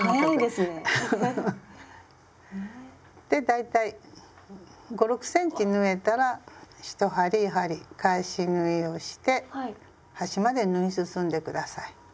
で大体５６ｃｍ縫えたら１針やはり返し縫いをして端まで縫い進んでください。